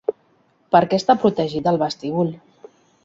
Per què està protegit el vestíbul?